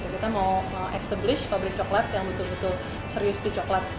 kita mau extablish pabrik coklat yang betul betul serius di coklat